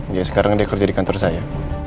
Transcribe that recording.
dia sekarang bekerja di kantor saya